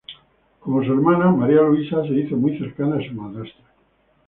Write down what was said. Como su hermana, María Luisa, se hizo muy cercana a su madrastra.